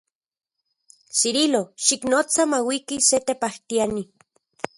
Cirilo, xiknotsa mauiki se tepajtiani.